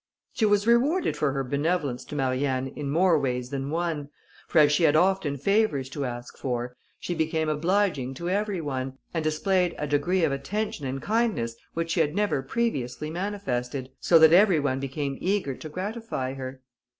She was rewarded for her benevolence to Marianne in more ways than one; for as she had often favours to ask for, she became obliging to every one, and displayed a degree of attention and kindness which she had never previously manifested, so that every one became eager to gratify her.